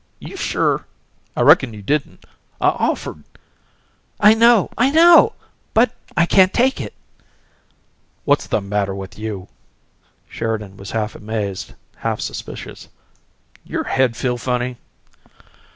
"You sure? I reckon you didn't. I offered " "I know, I know! But I can't take it." "What's the matter with you?" Sheridan was half amazed, half suspicious. "Your head feel funny?"